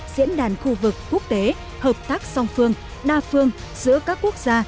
diễn đàn khu vực quốc tế hợp tác song phương đa phương giữa các quốc gia